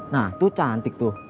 nah tuh cantik tuh